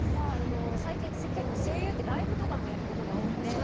最近結構声優ってライブとかもやることが多くて。